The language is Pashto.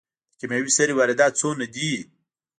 د کیمیاوي سرې واردات څومره دي؟